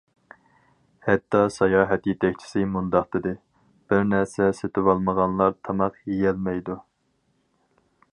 ھەتتا ساياھەت يېتەكچىسى مۇنداق دېدى:« بىر نەرسە سېتىۋالمىغانلار تاماق يېيەلمەيدۇ».